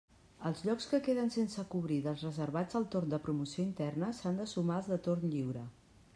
Els llocs que queden sense cobrir dels reservats al torn de promoció interna s'han de sumar als de torn lliure.